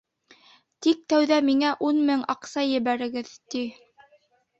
Тик тәүҙә миңә ун мең аҡса ебәрегеҙ, ти.